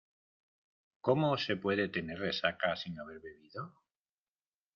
¿Cómo se puede tener resaca sin haber bebido?